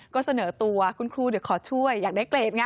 ก็เสนอตัวคุณครูเดี๋ยวขอช่วยอยากได้เกรดไง